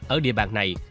ở địa bàn này